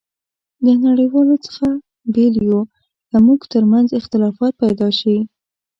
له نړیوالو څخه بېل یو، که مو ترمنځ اختلافات پيدا شي.